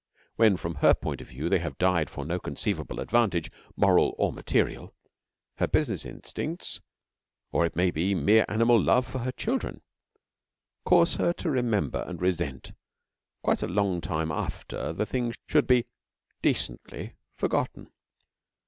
When, from her point of view, they have died for no conceivable advantage, moral or material, her business instincts, or it may be mere animal love of her children, cause her to remember and resent quite a long time after the thing should be decently forgotten.